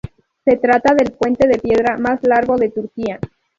Se trata del puente de piedra más largo de Turquía.